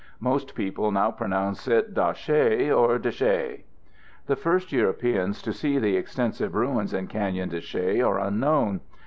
Most people now pronounce it "dah SHAY" or "d'SHAY." The first Europeans to see the extensive ruins in Canyon de Chelly are unknown.